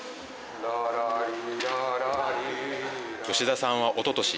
吉田さんはおととし、